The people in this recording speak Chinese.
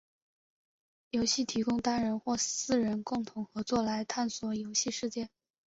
游戏提供单人或四人共同合作来探索游戏世界。